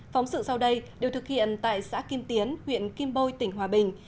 phóng sự sau đây đều thực hiện tại xã kim tiến huyện kim bôi tỉnh hòa bình